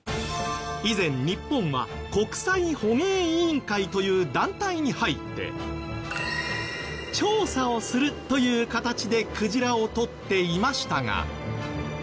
以前日本は国際捕鯨委員会という団体に入って調査をするという形でクジラをとっていましたが。